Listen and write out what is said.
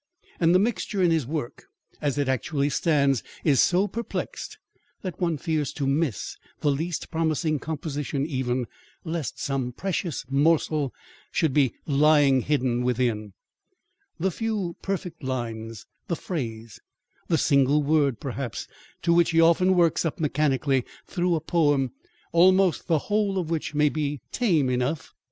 And the mixture in his work, as it actually stands, is so perplexed, that one fears to miss the least promising composition even, lest some precious morsel should be lying hidden within the few perfect lines, the phrase, the single word perhaps, to which he often works up mechanically through a poem, almost the whole of which may be tame enough.